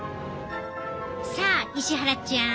さあ石原ちゃん。